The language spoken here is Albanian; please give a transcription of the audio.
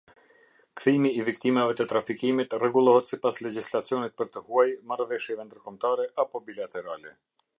Kthimi i viktimave të trafikimit rregullohet sipas legjislacionit për të huaj, marrëveshjevendërkombëtare apo bilaterale.